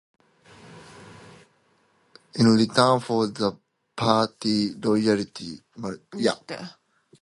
In return for that party loyalty, Martin allowed Stuart to run for governor unopposed.